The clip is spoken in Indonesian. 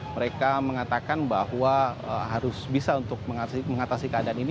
mereka mengatakan bahwa harus bisa untuk mengatasi keadaan ini